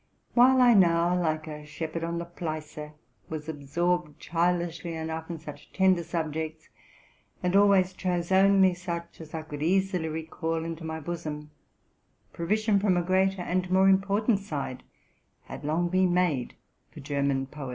While I now, like a shepherd on the Pleisse, was absorbed childishly enough in such tender subjects, and always chose only such as I could easily recall into my bosom, provision from a greater and more important side had long been made for German poets.